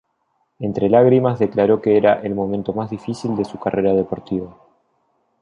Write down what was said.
Entre lágrimas declaró que era el momento más difícil de su carrera deportiva.